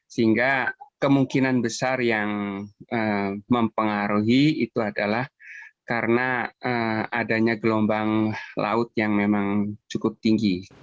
sehingga kemungkinan besar yang mempengaruhi itu adalah karena adanya gelombang laut yang memang cukup tinggi